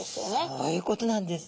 そういうことなんです。